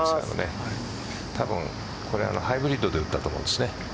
ハイブリッドで打ったと思うんですね。